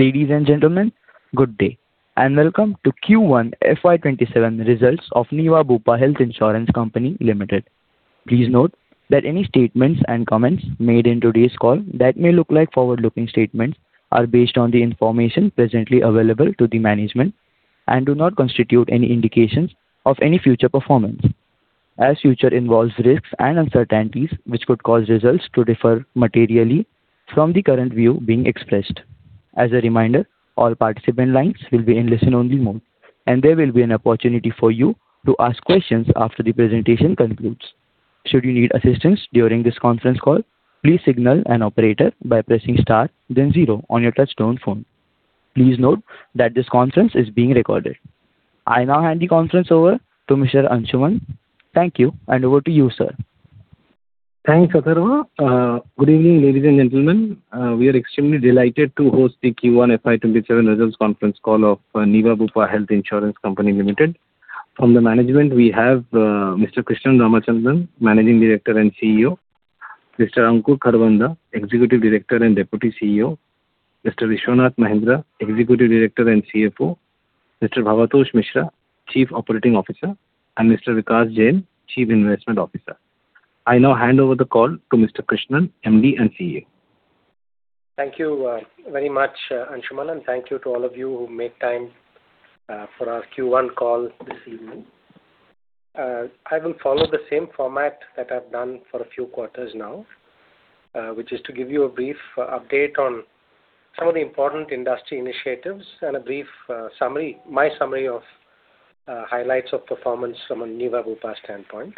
Ladies and gentlemen, good day, and welcome to Q1 FY 2027 results of Niva Bupa Health Insurance Company Limited. Please note that any statements and comments made in today's call that may look like forward-looking statements are based on the information presently available to the management and do not constitute any indications of any future performance, as future involves risks and uncertainties which could cause results to differ materially from the current view being expressed. As a reminder, all participant lines will be in listen-only mode, and there will be an opportunity for you to ask questions after the presentation concludes. Should you need assistance during this conference call, please signal an operator by pressing star then zero on your touch-tone phone. Please note that this conference is being recorded. I now hand the conference over to Mr. Ansuman. Thank you, and over to you, Sir. Thanks, Atharva. Good evening, ladies and gentlemen. We are extremely delighted to host the Q1 FY 2027 results conference call of Niva Bupa Health Insurance Company Limited. From the management, we have Mr. Krishnan Ramachandran, Managing Director and CEO, Mr. Ankur Kharbanda, Executive Director and Deputy CEO, Mr. Vishwanath Mahendra, Executive Director and CFO, Mr. Bhabatosh Mishra, Chief Operating Officer, and Mr. Vikas Jain, Chief Investment Officer. I now hand over the call to Mr. Krishnan, MD and CEO. Thank you very much, Ansuman, and thank you to all of you who made time for our Q1 call this evening. I will follow the same format that I've done for a few quarters now, which is to give you a brief update on some of the important industry initiatives and my summary of highlights of performance from a Niva Bupa standpoint.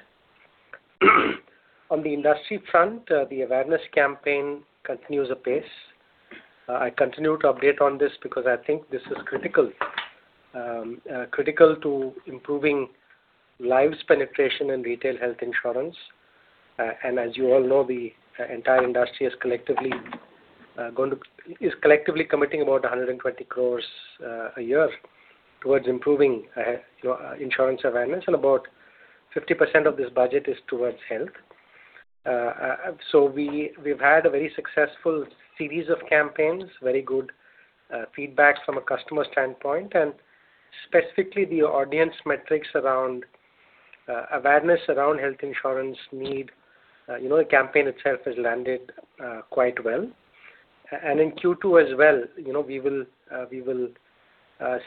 On the industry front, the awareness campaign continues apace. I continue to update on this because I think this is critical to improving lives penetration in retail health insurance. As you all know, the entire industry is collectively committing about 120 crores a year towards improving insurance awareness, and about 50% of this budget is towards health. We've had a very successful series of campaigns, very good feedback from a customer standpoint, and specifically the audience metrics around awareness around health insurance need. The campaign itself has landed quite well. In Q2 as well, we will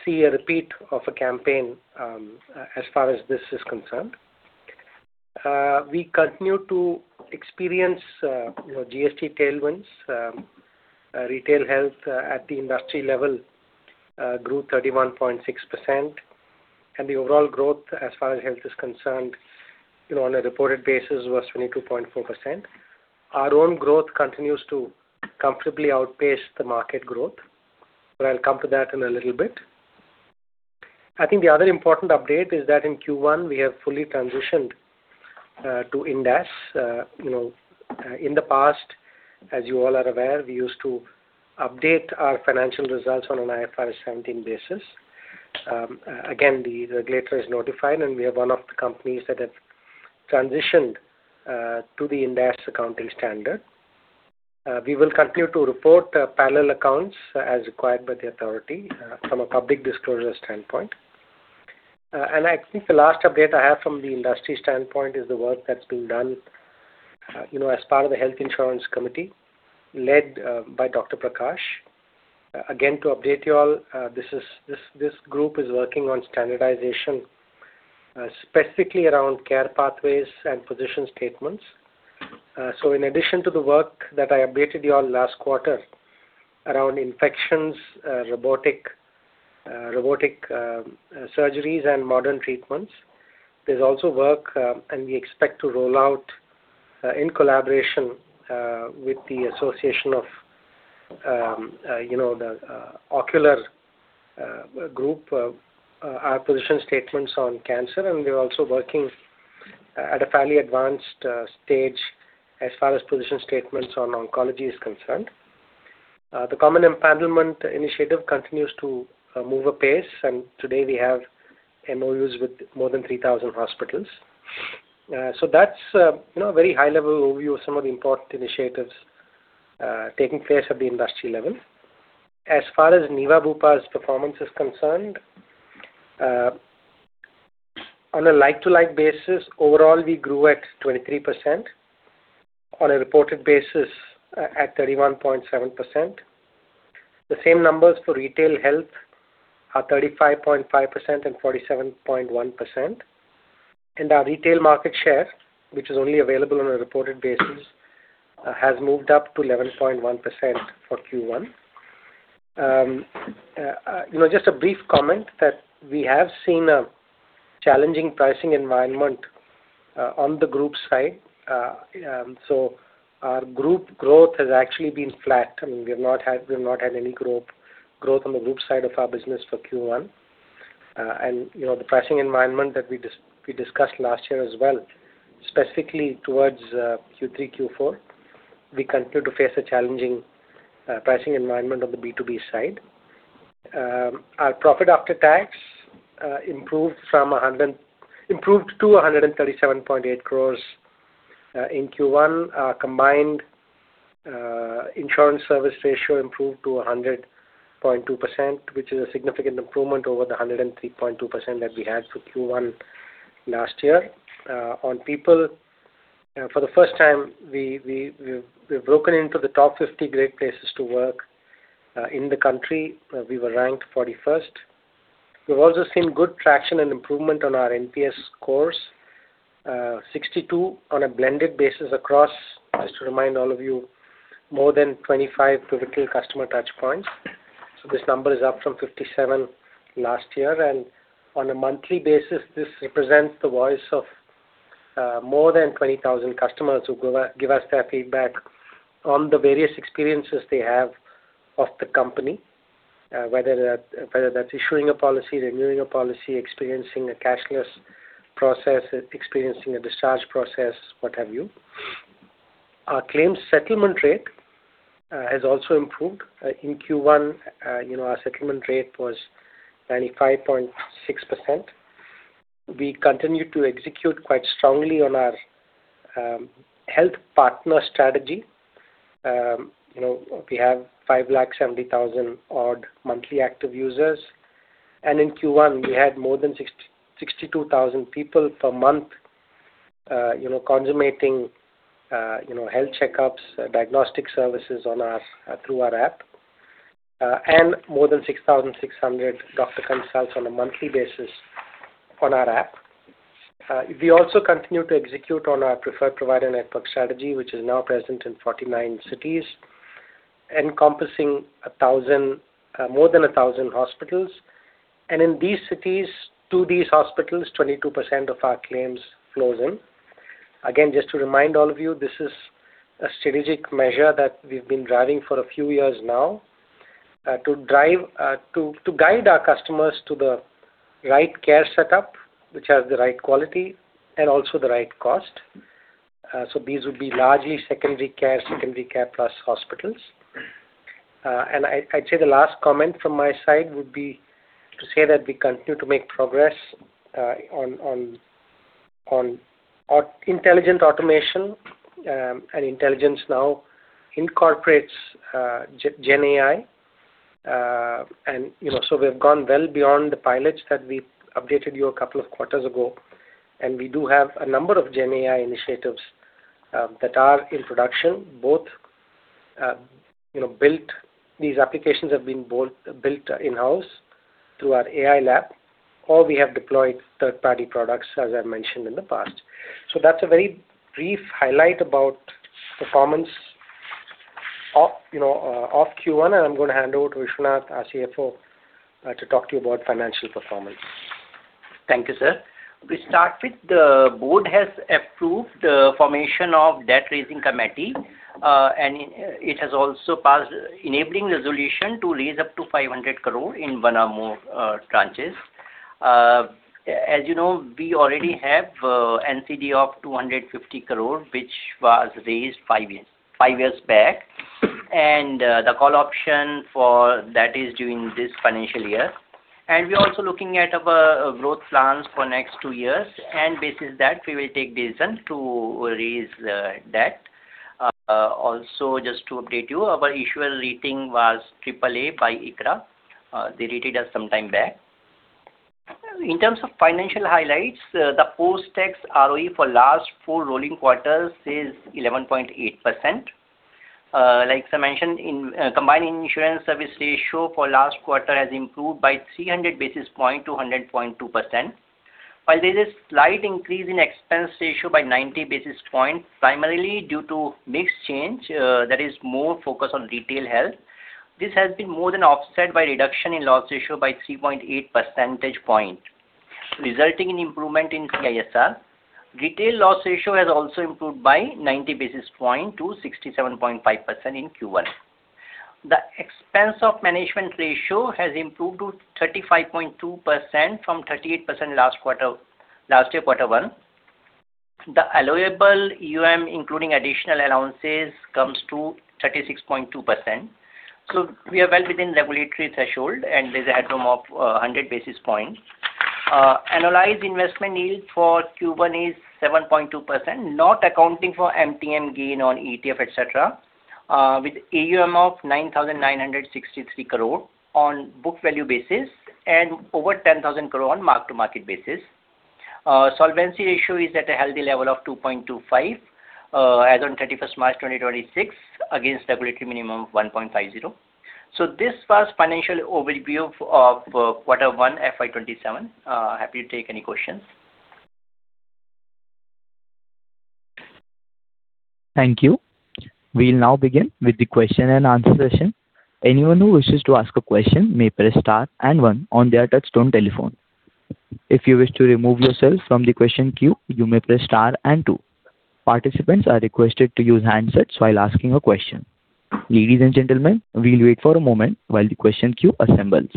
see a repeat of a campaign as far as this is concerned. We continue to experience GST tailwinds. Retail health at the industry level grew 31.6%, and the overall growth, as far as health is concerned, on a reported basis, was 22.4%. Our own growth continues to comfortably outpace the market growth, I'll come to that in a little bit. I think the other important update is that in Q1, we have fully transitioned to Ind AS. In the past, as you all are aware, we used to update our financial results on an IFRS 17 basis. Again, the regulator is notified, and we are one of the companies that have transitioned to the Ind AS accounting standard. We will continue to report parallel accounts as required by the authority from a public disclosure standpoint. I think the last update I have from the industry standpoint is the work that's been done as part of the Health Insurance Committee led by Dr. Prakash. Again, to update you all, this group is working on standardization, specifically around care pathways and position statements. In addition to the work that I updated you all last quarter around infections, robotic surgeries, and modern treatments, there's also work, we expect to roll out in collaboration with the association of the ocular group, our position statements on cancer, we're also working at a fairly advanced stage as far as position statements on oncology is concerned. The common empowerment initiative continues to move apace, today we have MoUs with more than 3,000 hospitals. That's a very high-level overview of some of the important initiatives taking place at the industry level. As far as Niva Bupa's performance is concerned, on a like-to-like basis, overall, we grew at 23%, on a reported basis at 31.7%. The same numbers for retail health are 35.5% and 47.1%. Our retail market share, which is only available on a reported basis, has moved up to 11.1% for Q1. Just a brief comment that we have seen a challenging pricing environment on the group side. Our group growth has actually been flat. We've not had any growth on the group side of our business for Q1. The pricing environment that we discussed last year as well, specifically towards Q3, Q4, we continue to face a challenging pricing environment on the B2B side. Our profit after tax improved to 137.8 crores. In Q1, our combined insurance service ratio improved to 100.2%, which is a significant improvement over the 103.2% that we had for Q1 last year. On people, for the first time, we've broken into the top 50 Great Place to Work in the country. We were ranked 41st. We've also seen good traction and improvement on our NPS scores, 62 on a blended basis across, just to remind all of you, more than 25 critical customer touchpoints. This number is up from 57 last year. On a monthly basis, this represents the voice of more than 20,000 customers who give us their feedback on the various experiences they have of the company, whether that's issuing a policy, renewing a policy, experiencing a cashless process, experiencing a discharge process, what have you. Our claims settlement rate has also improved. In Q1, our settlement rate was 95.6%. We continue to execute quite strongly on our health partner strategy. We have [5,70,000] odd monthly active users, in Q1, we had more than 62,000 people per month consummating health checkups, diagnostic services through our app. More than 6,600 doctor consults on a monthly basis on our app. We also continue to execute on our preferred provider network strategy, which is now present in 49 cities, encompassing more than 1,000 hospitals. In these cities, to these hospitals, 22% of our claims flows in. Again, just to remind all of you, this is a strategic measure that we've been driving for a few years now to guide our customers to the right care setup, which has the right quality and also the right cost. These would be largely secondary care, secondary care plus hospitals. I'd say the last comment from my side would be to say that we continue to make progress on intelligent automation, and intelligence now incorporates GenAI. We've gone well beyond the pilots that we updated you a couple of quarters ago, and we do have a number of GenAI initiatives that are in production, these applications have been both built in-house through our AI lab, or we have deployed third-party products, as I mentioned in the past. That's a very brief highlight about performance of Q1, and I'm going to hand over to Vishwanath, our CFO, to talk to you about financial performance. Thank you, Sir. We start with the board has approved the formation of debt-raising committee, it has also passed enabling resolution to raise up to 500 crore in one or more tranches. As you know, we already have NCD of 250 crore, which was raised five years back. The call option for that is during this financial year. We're also looking at our growth plans for next two years, and based on that, we will take decision to raise debt. Just to update you, our issuer rating was AAA by ICRA. They rated us sometime back. In terms of financial highlights, the post-tax ROE for last four rolling quarters is 11.8%. Like I mentioned, combined insurance service ratio for last quarter has improved by 300 basis points to 100.2%. While there's a slight increase in expense ratio by 90 basis points, primarily due to mix change, that is more focus on retail health. This has been more than offset by reduction in loss ratio by 3.8 percentage points, resulting in improvement in CISR. Retail loss ratio has also improved by 90 basis points to 67.5% in Q1. The expense of management ratio has improved to 35.2% from 38% last year, quarter one. The allowable EUM, including additional allowances, comes to 36.2%. We are well within regulatory threshold, and there's a headroom of 100 basis points. Annualized investment yield for Q1 is 7.2%, not accounting for MTM gain on ETF, et cetera, with AUM of 9,963 crore on book value basis and over 10,000 crore on mark-to-market basis. Solvency ratio is at a healthy level of 2.25 as on March 31st, 2026 against regulatory minimum of 1.50. This was financial overview of quarter one, FY 2027. Happy to take any questions. Thank you. We will now begin with the question-and-answer session. Anyone who wishes to ask a question may press star one on their touch-tone telephone. If you wish to remove yourself from the question queue, you may press star two. Participants are requested to use handsets while asking a question. Ladies and gentlemen, we will wait for a moment while the question queue assembles.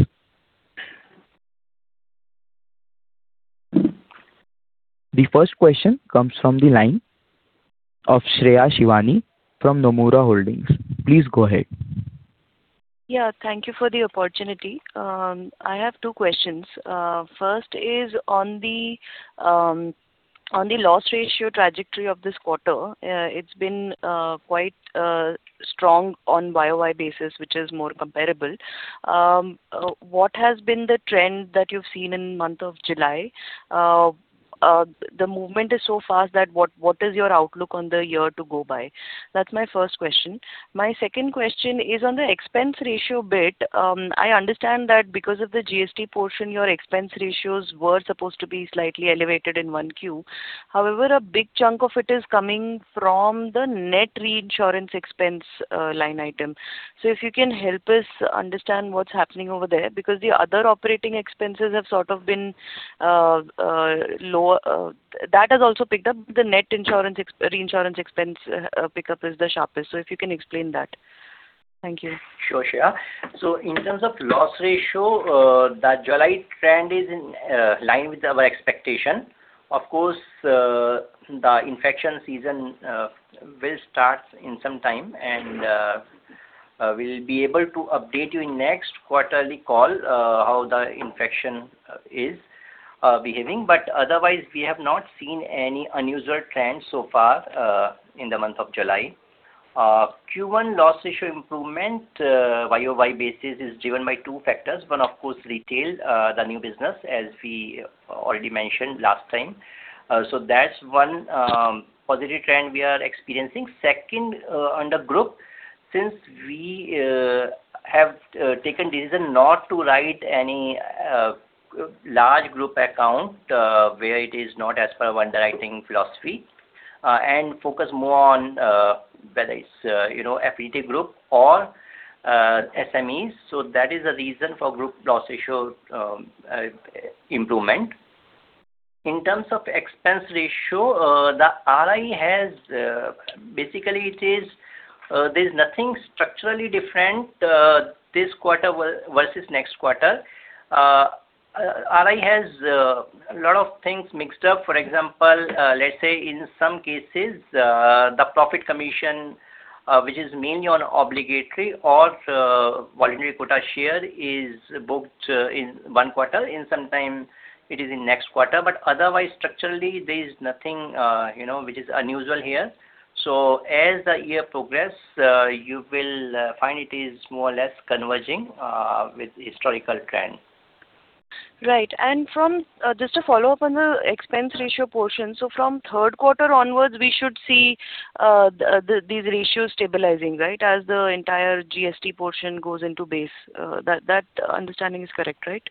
The first question comes from the line of Shreya Shivani from Nomura Holdings. Please go ahead. Thank you for the opportunity. I have two questions. First is on the loss ratio trajectory of this quarter. It has been quite strong on year-over-year basis, which is more comparable. What has been the trend that you have seen in the month of July? The movement is so fast that what is your outlook on the year to go by? That is my first question. My second question is on the expense ratio bit. I understand that because of the GST portion, your expense ratios were supposed to be slightly elevated in 1Q. However, a big chunk of it is coming from the net reinsurance expense line item. If you can help us understand what is happening over there, because the other operating expenses have sort of been lower. That has also picked up the net reinsurance expense pickup is the sharpest. If you can explain that. Thank you. Sure. In terms of loss ratio, the July trend is in line with our expectation. Of course, the infection season will start in some time, and we will be able to update you in next quarterly call how the infection is behaving. Otherwise, we have not seen any unusual trends so far in the month of July. Q1 loss ratio improvement year-over-year basis is driven by two factors. One, of course, retail, the new business, as we already mentioned last time. That is one positive trend we are experiencing. Second, on the group, since we have taken the decision not to write any large group account where it is not as per our underwriting philosophy and focus more on whether it is FET group or SMEs. That is the reason for group loss ratio improvement. In terms of expense ratio, the RI has. Basically, there is nothing structurally different this quarter versus next quarter. RI has a lot of things mixed up. For example, let us say in some cases, the profit commission which is mainly on obligatory or voluntary quota share is booked in one quarter, and sometimes it is in next quarter. Otherwise, structurally, there is nothing which is unusual here. As the year progress, you will find it is more or less converging with historical trend. Just to follow up on the expense ratio portion. From third quarter onwards, we should see these ratios stabilizing, right? As the entire GST portion goes into base. That understanding is correct, right?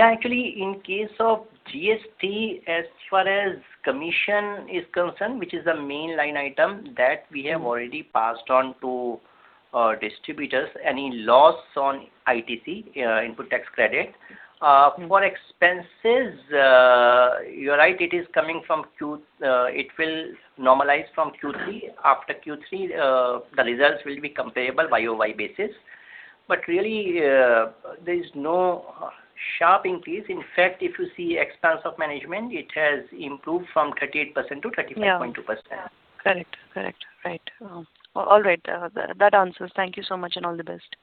Actually, in case of GST, as far as commission is concerned, which is the main line item that we have already passed on to distributors, any loss on ITC, input tax credit. For expenses, you're right, it will normalize from Q3. After Q3, the results will be comparable YOY basis. Really, there is no sharp increase. In fact, if you see Expenses of Management, it has improved from 38% to 35.2%. Yeah. Correct. Right. All right. That answers. Thank you so much, and all the best.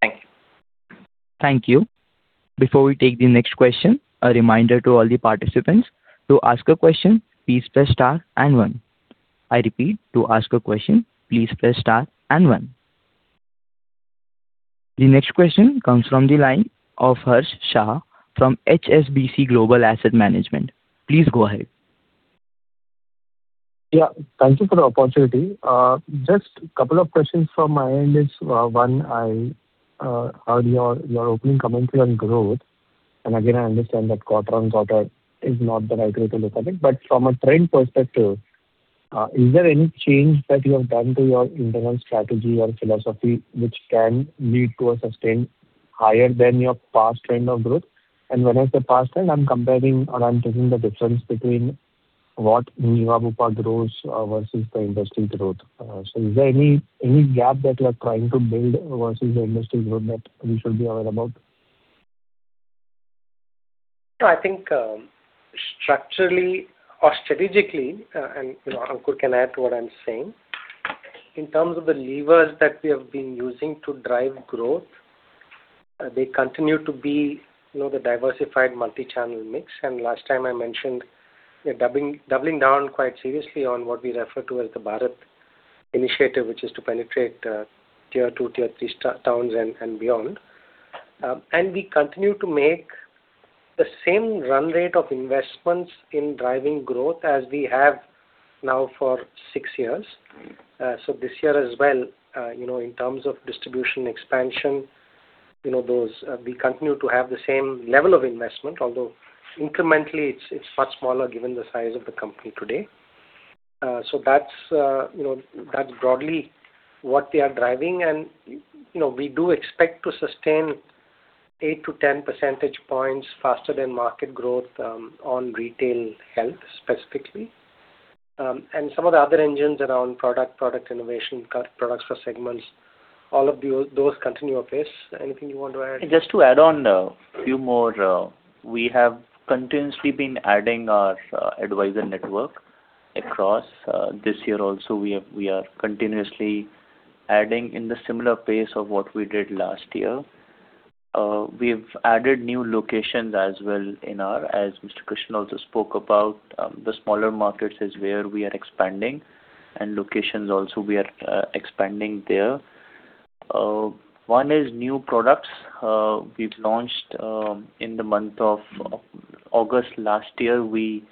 Thank you. Thank you. Before we take the next question, a reminder to all the participants. To ask a question, please press star and one. I repeat, to ask a question, please press star and one. The next question comes from the line of Harsh Shah from HSBC Global Asset Management. Please go ahead. Yeah. Thank you for the opportunity. Just couple of questions from my end is, one, I heard your opening comments on growth. Again, I understand that quarter on quarter is not the right way to look at it. From a trend perspective, is there any change that you have done to your internal strategy or philosophy which can lead to a sustained higher than your past trend of growth? When I say past trend, I'm comparing or I'm taking the difference between what Niva Bupa grows versus the industry growth. Is there any gap that you are trying to build versus the industry growth that we should be aware about? I think structurally or strategically, Ankur can add to what I'm saying. In terms of the levers that we have been using to drive growth, they continue to be the diversified multi-channel mix. Last time I mentioned we're doubling down quite seriously on what we refer to as the Bharat initiative, which is to penetrate tier 2, tier 3 towns and beyond. We continue to make the same run rate of investments in driving growth as we have now for six years. This year as well, in terms of distribution expansion, we continue to have the same level of investment, although incrementally it's much smaller given the size of the company today. That's broadly what we are driving, and we do expect to sustain 8-10 percentage points faster than market growth on retail health specifically. Some of the other engines around product innovation, products for segments, all of those continue apace. Anything you want to add? Just to add on a few more. We have continuously been adding our advisor network Across this year also, we are continuously adding in the similar pace of what we did last year. We have added new locations as well in our, as Mr. Krishnan also spoke about, the smaller markets is where we are expanding, and locations also we are expanding there. One is new products. In the month of August last year, we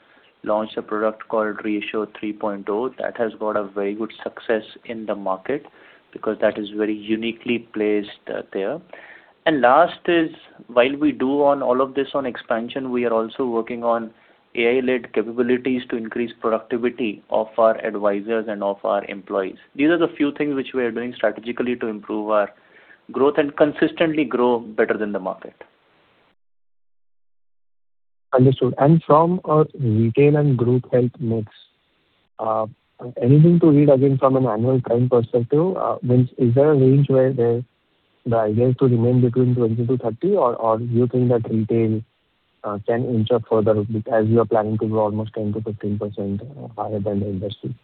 launched a product called ReAssure 2.0. That has got a very good success in the market because that is very uniquely placed there. Last is, while we do all of this on expansion, we are also working on AI-led capabilities to increase productivity of our advisors and of our employees. These are the few things which we are doing strategically to improve our growth and consistently grow better than the market. Understood. From a retail and group health mix, anything to read again from an annual claim perspective? Is there a range where the idea is to remain between 20%-30%? Or do you think that retail can inch up further as you are planning to grow almost 10%-15% higher than the industry?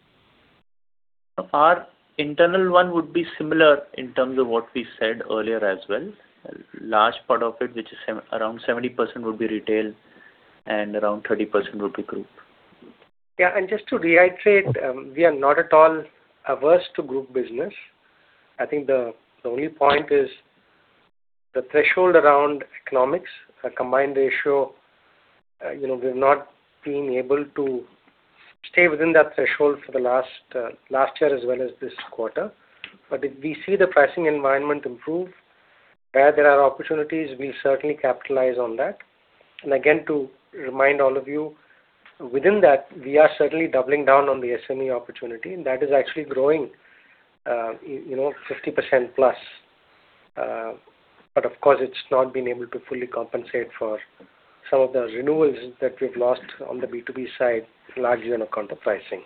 Our internal one would be similar in terms of what we said earlier as well. Large part of it, which is around 70%, would be retail and around 30% would be group. Just to reiterate, we are not at all averse to group business. The only point is the threshold around economics, a combined ratio. We've not been able to stay within that threshold for the last year as well as this quarter. If we see the pricing environment improve, where there are opportunities, we'll certainly capitalize on that. Again, to remind all of you, within that, we are certainly doubling down on the SME opportunity. That is actually growing 50%+. Of course, it's not been able to fully compensate for some of the renewals that we've lost on the B2B side, largely on account of pricing.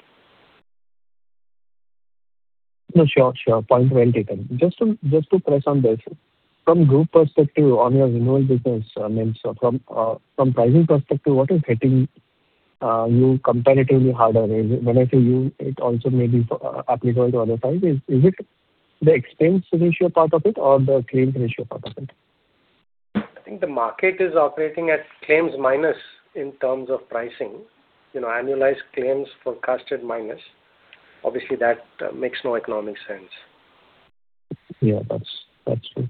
Sure. Point well taken. Just to press on this, from group perspective on your renewal business, from pricing perspective, what is hitting you comparatively harder? When I say you, it also may be applicable to other parties. Is it the expense ratio part of it or the claims ratio part of it? The market is operating at claims minus in terms of pricing. Annualized claims forecasted minus. Obviously, that makes no economic sense. That's true.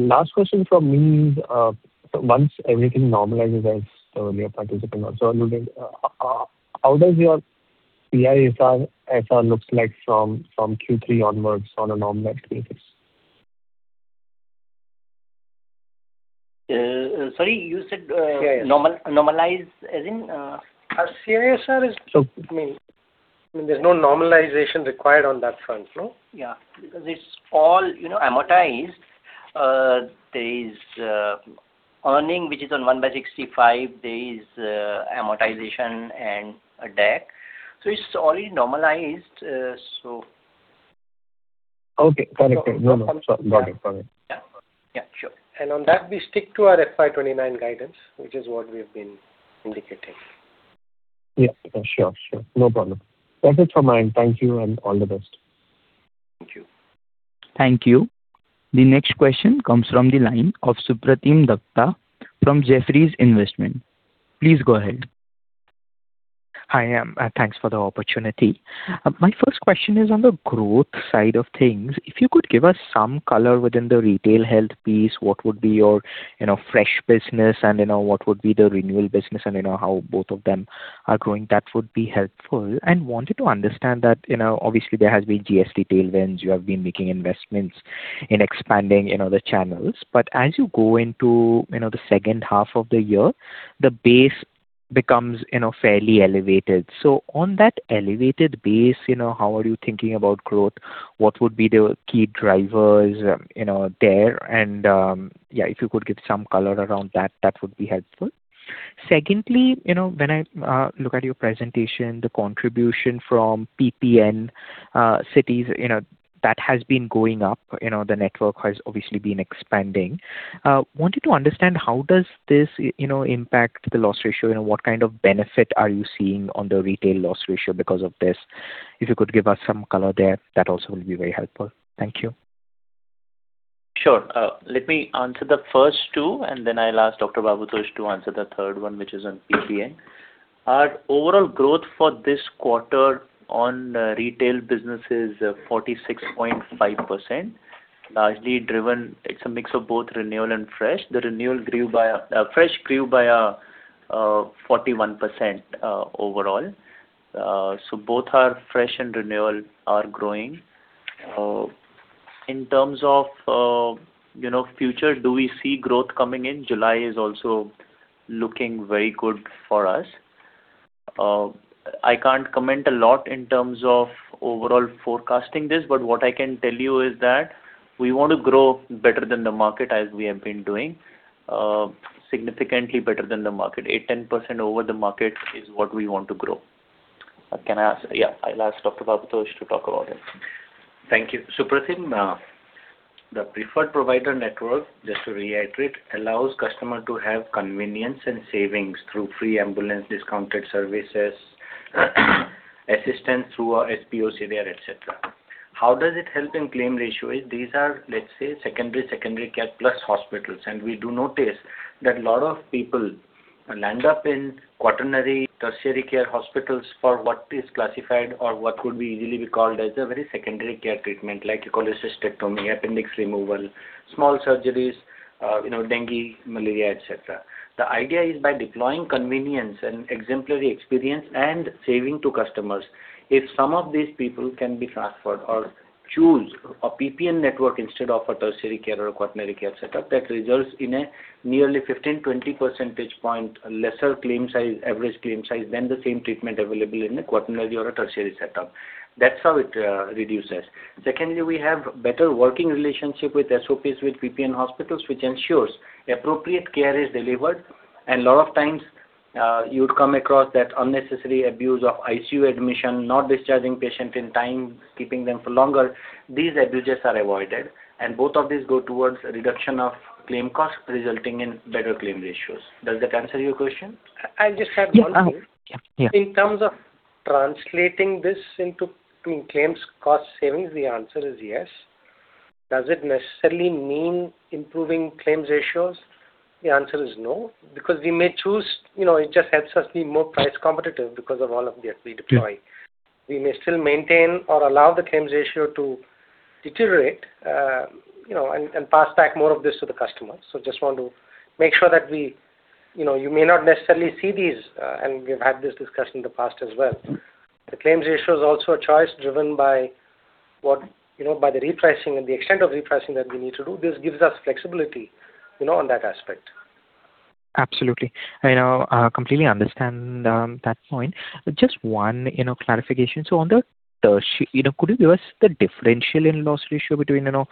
Last question from me is, once everything normalizes as earlier participant also alluded, how does your CISR looks like from Q3 onwards on a normalized basis? Sorry, you said normalize as in? CISR is, I mean, there's no normalization required on that front, no? Yeah. Because it's all amortized. There is earning, which is on one by 65 days, there is amortization and a DAC. It's already normalized. Okay. Got it. Yeah, sure. On that, we stick to our FY 2029 guidance, which is what we've been indicating. Yeah, sure. No problem. That's it from my end. Thank you, and all the best. Thank you. Thank you. The next question comes from the line of Supratim Dutta from Jefferies Investment. Please go ahead. Hi. Thanks for the opportunity. My first question is on the growth side of things. If you could give us some color within the retail health piece, what would be your fresh business and what would be the renewal business and how both of them are growing, that would be helpful. Wanted to understand that obviously there has been GST tailwinds, you have been making investments in expanding the channels. As you go into the second half of the year, the base becomes fairly elevated. On that elevated base, how are you thinking about growth? What would be the key drivers there? If you could give some color around that would be helpful. Secondly, when I look at your presentation, the contribution from PPN cities, that has been going up. The network has obviously been expanding. Wanted to understand how does this impact the loss ratio? What kind of benefit are you seeing on the retail loss ratio because of this? If you could give us some color there, that also would be very helpful. Thank you. Sure. Let me answer the first two, and then I'll ask Dr. Bhabatosh to answer the third one, which is on PPN. Our overall growth for this quarter on retail business is 46.5%, largely driven. It's a mix of both renewal and fresh. The fresh grew by 41% overall. Both our fresh and renewal are growing. In terms of future, do we see growth coming in? July is also looking very good for us. I can't comment a lot in terms of overall forecasting this, but what I can tell you is that we want to grow better than the market as we have been doing. Significantly better than the market. 8%-10% over the market is what we want to grow. Yeah, I'll ask Dr. Bhabatosh to talk about it. Thank you. Supratim. The preferred provider network, just to reiterate, allows customer to have convenience and savings through free ambulance discounted services, assistance through our SPOC care, et cetera. How does it help in claim ratio is these are, let's say, secondary care plus hospitals. We do notice that a lot of people land up in quaternary, tertiary care hospitals for what is classified or what could be easily be called as a very secondary care treatment, like cholecystectomy, appendix removal, small surgeries, dengue, malaria, et cetera. The idea is by deploying convenience and exemplary experience and saving to customers, if some of these people can be transferred or choose a PPN network instead of a tertiary care or a quaternary care setup, that results in a nearly 15, 20 percentage point lesser average claim size than the same treatment available in a quaternary or a tertiary setup. That's how it reduces. Secondly, we have better working relationship with SOPs, with PPN hospitals, which ensures appropriate care is delivered. Lot of times, you would come across that unnecessary abuse of ICU admission, not discharging patient in time, keeping them for longer. These abuses are avoided, both of these go towards reduction of claim cost, resulting in better claim ratios. Does that answer your question? I just have one thing. Yeah. In terms of translating this into claims cost savings, the answer is yes. Does it necessarily mean improving claims ratios? The answer is no, because it just helps us be more price competitive because of all of that we deploy. Yeah. We may still maintain or allow the claims ratio to deteriorate and pass back more of this to the customers. Just want to make sure that you may not necessarily see these, and we've had this discussion in the past as well. The claims ratio is also a choice driven by the repricing and the extent of repricing that we need to do. This gives us flexibility on that aspect. Absolutely. I completely understand that point. Just one clarification. On the tertiary, could you give us the differential in loss ratio between a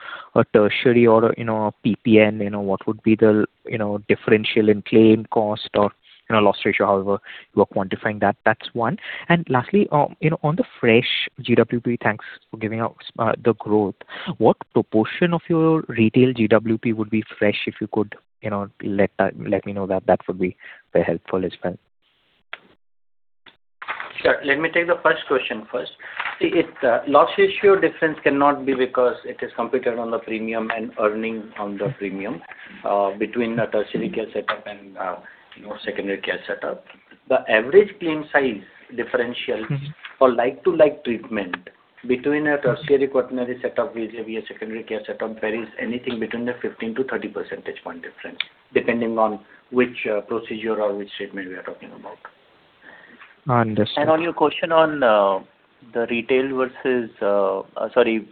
tertiary or a PPN? What would be the differential in claim cost or loss ratio, however you are quantifying that? That's one. Lastly, on the fresh GWP, thanks for giving us the growth. What proportion of your retail GWP would be fresh, if you could let me know that would be very helpful as well. Sure. Let me take the first question first. Loss ratio difference cannot be because it is computed on the premium and earning on the premium between a tertiary care setup and secondary care setup. The average claim size differential for like-to-like treatment between a tertiary, quaternary setup vis-à-vis a secondary care setup varies anything between a 15-30 percentage point difference, depending on which procedure or which treatment we are talking about. Understood. On your question on the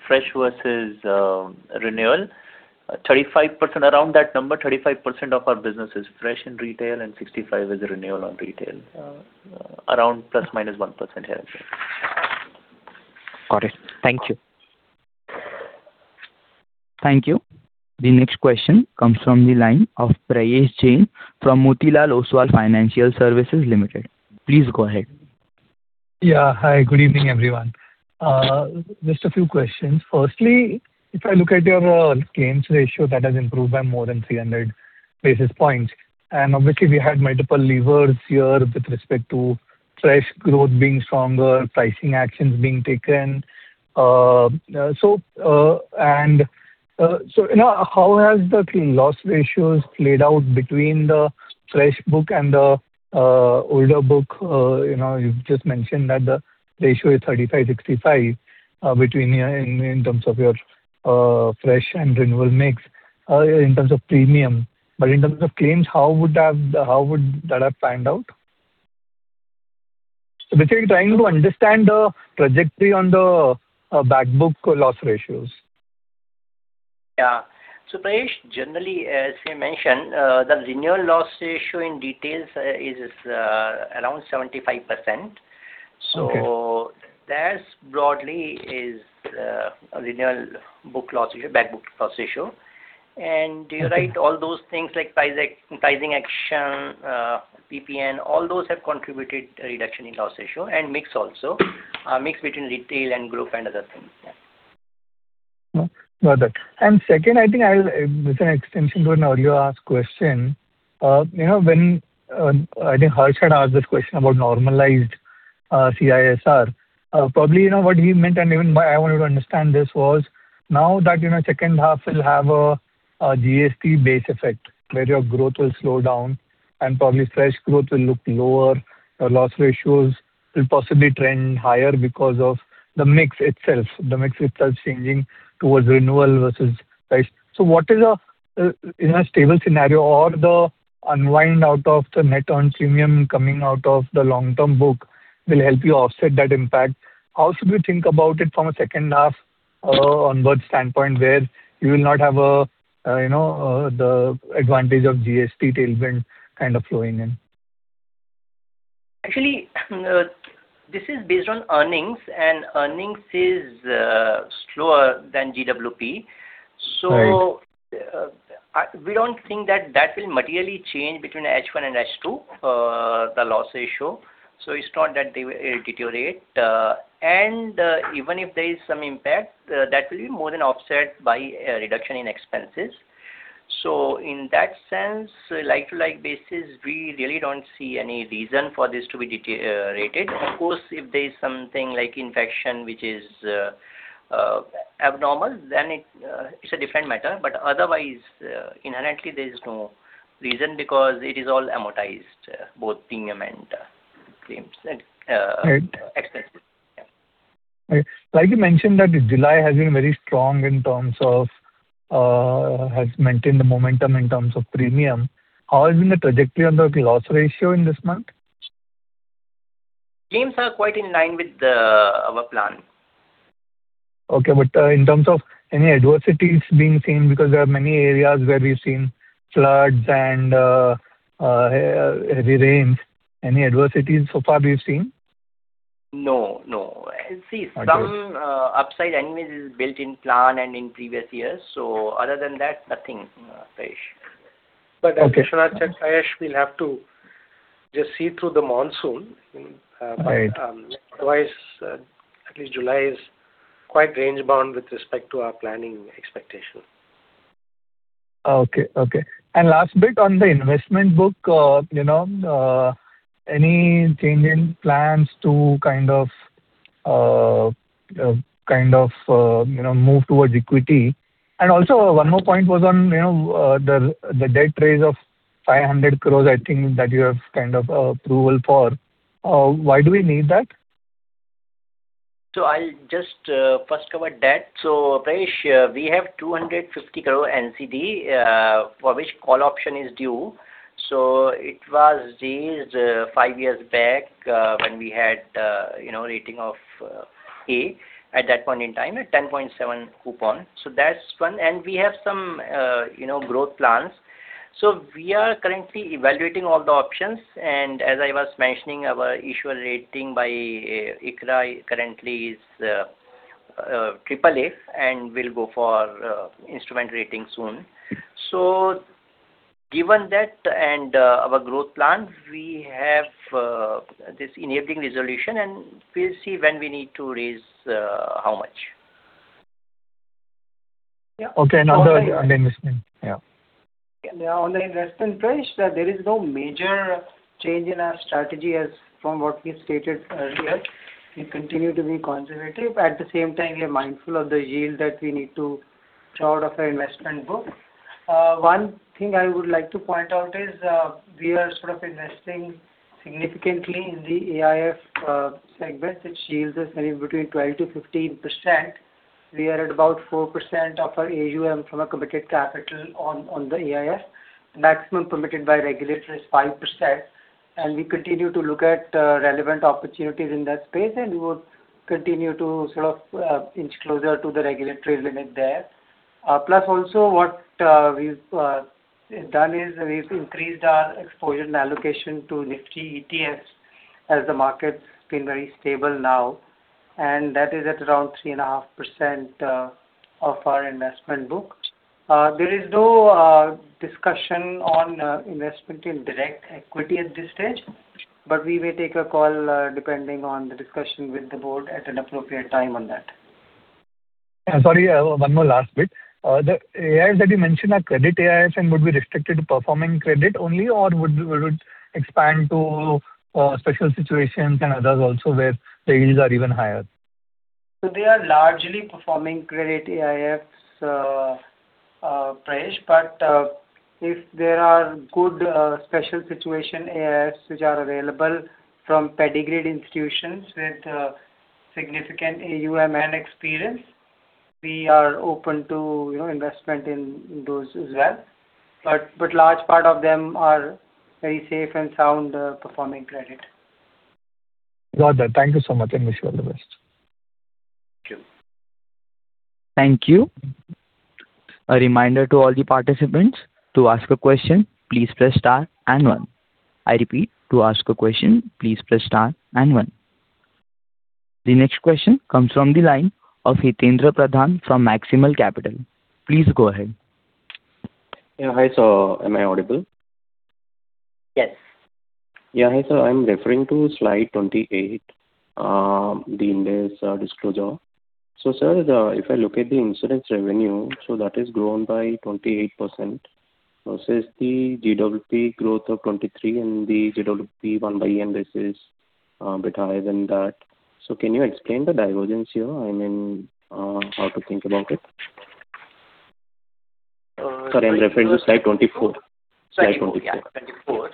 fresh versus renewal, around that number, 35% of our business is fresh in retail and 65% is renewal on retail. Around ±1% here and there. Got it. Thank you. Thank you. The next question comes from the line of Prayesh Jain from Motilal Oswal Financial Services Limited. Please go ahead. Hi, good evening, everyone. Just a few questions. Firstly, if I look at your claims ratio, that has improved by more than 300 basis points. Obviously we had multiple levers here with respect to fresh growth being stronger, pricing actions being taken. How has the loss ratios played out between the fresh book and the older book? You've just mentioned that the ratio is 35 in terms of your fresh and renewal mix in terms of premium. In terms of claims, how would that have panned out? Basically, trying to understand the trajectory on the back book loss ratios. Yeah. Prayesh, generally, as we mentioned, the renewal loss ratio in retail is around 75%. Okay. That's broadly is renewal back book loss ratio. You're right, all those things like pricing action, PPN, all those have contributed a reduction in loss ratio and mix also. A mix between retail and group and other things, yeah. Got that. Second, I think as an extension to an earlier asked question. I think Harsh had asked this question about normalized CISR. Probably, what he meant, and even why I wanted to understand this was now that second half will have a GST base effect where your growth will slow down and probably fresh growth will look lower, your loss ratios will possibly trend higher because of the mix itself changing towards renewal versus fresh. What is a stable scenario or the unwind out of the net on premium coming out of the long-term book will help you offset that impact? How should we think about it from a second half onwards standpoint where you will not have the advantage of GST tailwind flowing in? Actually, this is based on earnings is slower than GWP. Right. We don't think that that will materially change between H1 and H2, the loss ratio. It's not that they will deteriorate. Even if there is some impact, that will be more than offset by a reduction in expenses. In that sense, like-to-like basis, we really don't see any reason for this to be deteriorated. Of course, if there's something like infection, which is abnormal, then it's a different matter. Otherwise, inherently there is no reason because it is all amortized, both premium and claims and expenses. Right. Like you mentioned that July has been very strong, has maintained the momentum in terms of premium. How has been the trajectory on the loss ratio in this month? Claims are quite in line with our plan. Okay. In terms of any adversities being seen, because there are many areas where we've seen floods and heavy rains. Any adversities so far been seen? No. Okay. See, some upside anyways is built in plan and in previous years. Other than that, nothing, Prayesh. Okay. Like Vishwanath said, Prayesh, we'll have to just see through the monsoon. Right. Otherwise, at least July is quite range-bound with respect to our planning expectation. Okay. Last bit on the investment book. Any change in plans to move towards equity? Also, one more point was on the debt raise of 500 crore, I think, that you have approval for. Why do we need that? I'll just first cover debt. Prayesh, we have 250 crore NCD, for which call option is due. It was raised five years back when we had a rating of A at that point in time at 10.7% coupon. That's one. We have some growth plans. We are currently evaluating all the options. As I was mentioning, our issuer rating by ICRA currently is AAA and we'll go for instrument rating soon. Given that and our growth plan, we have this enabling resolution, and we'll see when we need to raise how much. On the investment? On the investment, Prayesh, there is no major change in our strategy as from what we stated earlier. We continue to be conservative. At the same time, we are mindful of the yield that we need to draw out of our investment book. One thing I would like to point out is, we are sort of investing significantly in the AIF segment, which yields us anywhere between 12%-15%. We are at about 4% of our AUM from our committed capital on the AIF. Maximum permitted by regulator is 5%, we continue to look at relevant opportunities in that space, and we would continue to sort of inch closer to the regulatory limit there. What we've done is we've increased our exposure and allocation to Nifty ETFs as the market's been very stable now, and that is at around 3.5% of our investment book. There is no discussion on investment in direct equity at this stage, we may take a call, depending on the discussion with the board at an appropriate time on that. Sorry, one more last bit. The AIFs that you mentioned are credit AIFs and would be restricted to performing credit only or would expand to special situations and others also where the yields are even higher? They are largely performing credit AIFs, Prayesh. If there are good special situation AIFs which are available from pedigree institutions with significant AUM and experience, we are open to investment in those as well. Large part of them are very safe and sound performing credit. Got that. Thank you so much and wish you all the best. Thank you. Thank you. A reminder to all the participants, to ask a question, please press star and one. I repeat, to ask a question, please press star and one. The next question comes from the line of Hitaindra Pradhan from Maximal Capital. Please go ahead. Yeah. Hi. Am I audible? Yes. Yeah. Hi. I'm referring to slide 28, the Ind AS disclosure. Sir, if I look at the insurance revenue, that has grown by 28%, versus the GWP growth of 23% and the GWP 1byN, this is a bit higher than that. Can you explain the divergence here? I mean, how to think about it? Sorry, I'm referring to slide 24. Sorry. 2024.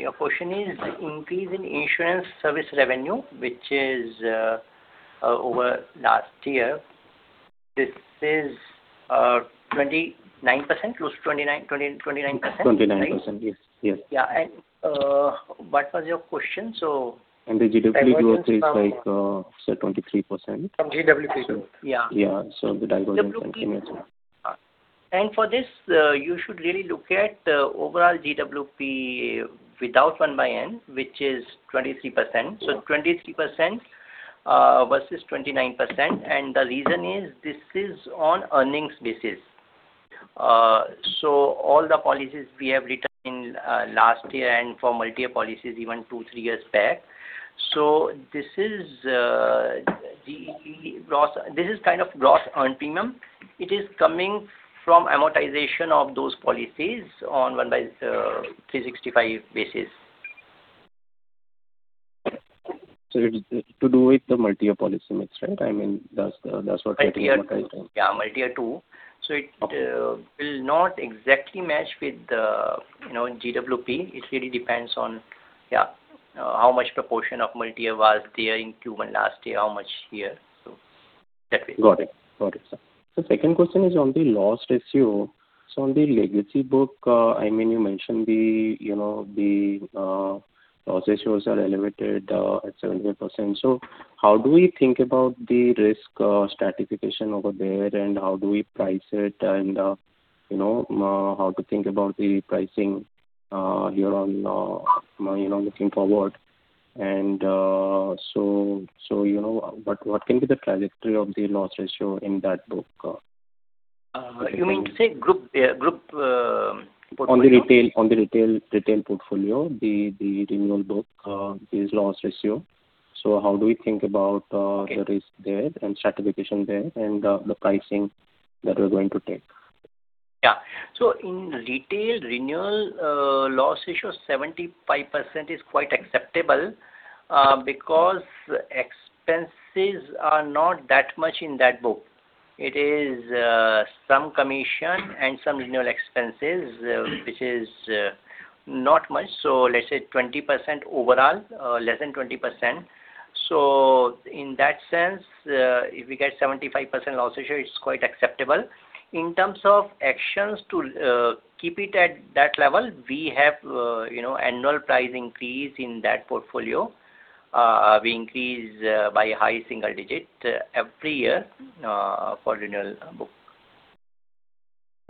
Your question is the increase in insurance service revenue, which is over last year. This is 29%, close to 29%? 29%. Yes. Yeah. What was your question? The GWP growth is like, say, 23%. From GWP. Yeah. Yeah. The divergence between the two. For this, you should really look at the overall GWP without 1byN, which is 23%. 23% Versus 29%. The reason is this is on earnings basis. All the policies we have written last year and for multi-year policies even two, three years back. This is kind of gross earn premium. It is coming from amortization of those policies on one by 365 basis. It is to do with the multi-year policy mix, right? I mean, that's what you're trying to say. Yeah, multi-year two. It will not exactly match with the GWP. It really depends on how much proportion of multi-year was there in Q1 last year, how much here. That way. Got it. Got it, Sir. The second question is on the loss ratio. On the legacy book, you mentioned the loss ratios are elevated at 70%. How do we think about the risk stratification over there, and how do we price it, and how to think about the pricing here on looking forward. What can be the trajectory of the loss ratio in that book? You mean to say group book right now? On the retail portfolio, the renewal book is loss ratio. How do we think about the risk there and stratification there and the pricing that we're going to take? In retail renewal, loss ratio, 75% is quite acceptable, because expenses are not that much in that book. It is some commission and some renewal expenses, which is not much. Let's say 20% overall, less than 20%. In that sense, if we get 75% loss ratio, it's quite acceptable. In terms of actions to keep it at that level, we have annual price increase in that portfolio. We increase by high single digit every year for renewal book.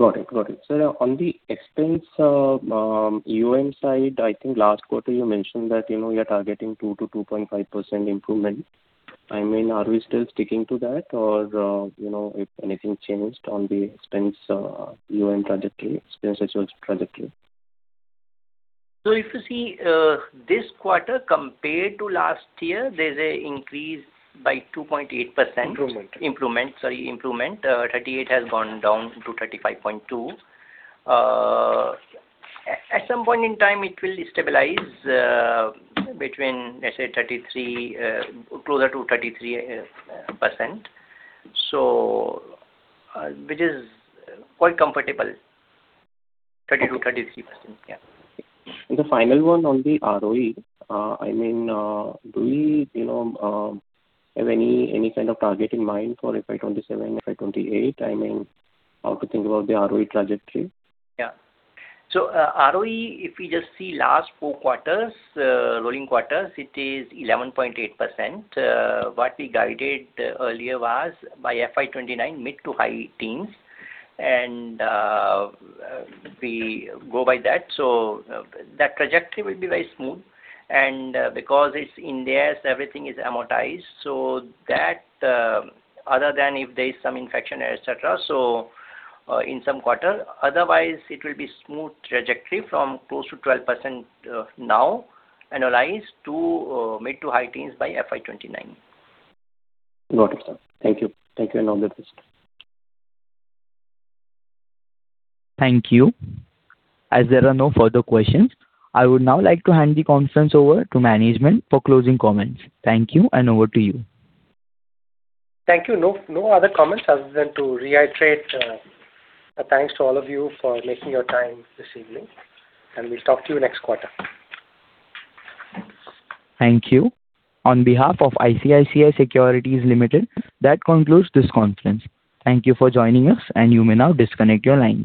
Got it. Sir, on the expense ratio side, I think last quarter you mentioned that you are targeting 2%-2.5% improvement. Are we still sticking to that or if anything changed on the expense ratio trajectory? If you see this quarter compared to last year, there's an increase by 2.8%. Improvement. Sorry, improvement. 38% has gone down to 35.2%. At some point in time, it will stabilize between, let's say, closer to 33%, which is quite comfortable. 30%-33%, yeah. The final one on the ROE. Do we have any kind of target in mind for FY 2027, FY 2028? How to think about the ROE trajectory? Yeah. ROE, if we just see last four rolling quarters, it is 11.8%. What we guided earlier was by FY 2029 mid to high 10s. We go by that. That trajectory will be very smooth. Because it's in there, everything is amortized, other than if there is some infection, et cetera, in some quarter. Otherwise, it will be smooth trajectory from close to 12% now annualized to mid to high 10s by FY 2029. Got it, Sir. Thank you. Thank you and all the best. Thank you. As there are no further questions, I would now like to hand the conference over to management for closing comments. Thank you and over to you. Thank you. No other comments other than to reiterate a thanks to all of you for making your time this evening, and we'll talk to you next quarter. Thank you. On behalf of ICICI Securities Limited, that concludes this conference. Thank you for joining us, and you may now disconnect your lines.